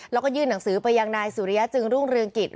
แล้วก็ยื่นหนังสือไปยังนายสุริยะจึงรุ่งเรืองกิจ